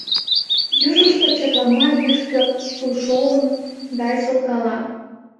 Южышто чатлама йӱштӧ тулшолгым гай солкала.